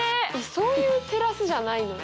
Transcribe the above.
そういう照らすじゃないのよ。